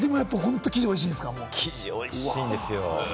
生地がおいしいんですよ。